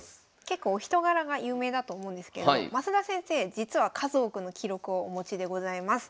結構お人柄が有名だと思うんですけど升田先生実は数多くの記録をお持ちでございます。